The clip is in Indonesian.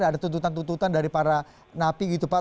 ada tuntutan tuntutan dari para napi gitu pak